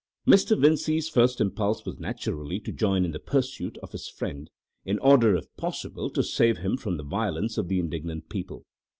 Mr. Vincey's first impulse was naturally to join in the pursuit of his friend, in order if possible to save him from the violence of the indignant people.